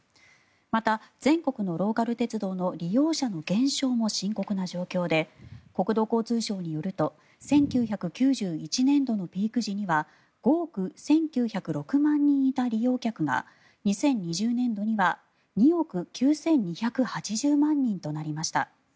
また、全国のローカル鉄道の利用者の減少も深刻な状況で国土交通省によると１９９１年度のピーク時には５億１９０６万人いた利用客が２０２０年度には２億９２８０万人となりました。